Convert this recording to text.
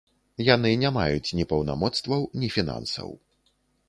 Яны не маюць ні паўнамоцтваў, ні фінансаў.